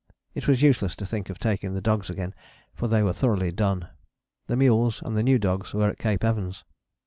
It was useless to think of taking the dogs again for they were thoroughly done. The mules and the new dogs were at Cape Evans.